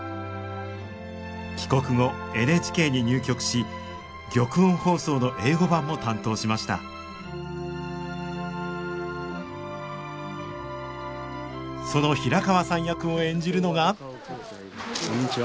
帰国後ＮＨＫに入局し玉音放送の英語版も担当しましたその平川さん役を演じるのがこんにちは。